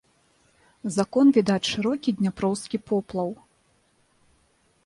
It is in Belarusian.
З акон відаць шырокі дняпроўскі поплаў.